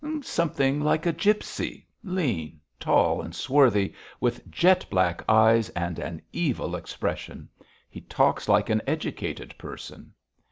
'Something like a gipsy lean, tall and swarthy, with jet black eyes and an evil expression. He talks like an educated person.'